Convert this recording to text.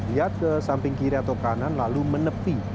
ia ke samping kiri atau kanan lalu menepi